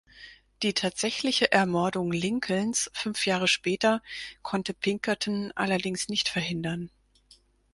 Die tatsächliche Ermordung Lincolns fünf Jahre später konnte Pinkerton allerdings nicht verhindern.